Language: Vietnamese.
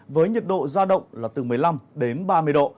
với nhiệt độ ra động là từ một mươi năm đến ba mươi độ